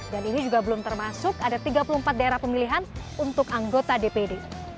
dan ini juga belum termasuk ada tiga puluh empat daerah pemilihan untuk anggota dpd